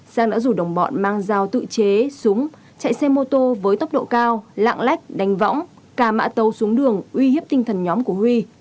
sang đã rủ đồng bọn mang dao tự chế súng chạy xe mô tô với tốc độ cao lạng lách đánh võng cả mã tấu xuống đường uy hiếp tinh thần nhóm của huy